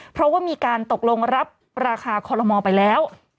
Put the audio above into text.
เพราะว่ามีการตกลงรับราคาคอลโลมอลไปแล้ว